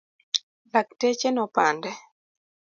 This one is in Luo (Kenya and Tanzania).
Lakteche nopande.